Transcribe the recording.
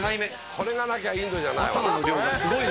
これがなきゃインドじゃない。